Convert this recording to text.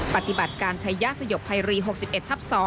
ปฏิบัติการใช้ยาสยบไพรี๖๑ทับ๒